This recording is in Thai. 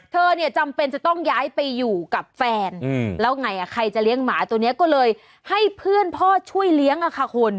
เธอเนี่ยจำเป็นจะต้องย้ายไปอยู่กับแฟนแล้วไงใครจะเลี้ยงหมาตัวนี้ก็เลยให้เพื่อนพ่อช่วยเลี้ยงอะค่ะคุณ